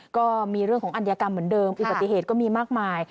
ก็มีเรื่องของอัญกรรมเหมือนเดิมอุบัติเหตุก็มีมากมาย